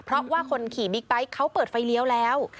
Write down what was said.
เพราะว่าคนขี่บิ๊กไบท์เขาเปิดไฟเลี้ยวแล้ว